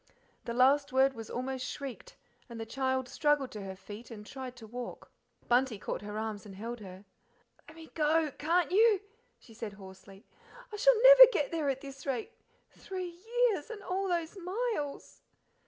The last word was almost shrieked and the child struggled to her feet and tried to walk. Bunty caught her arms and held her. "Let me go, can't you?" she said hoarsely. "I shall never get there at this rate. Three years, and all those miles!"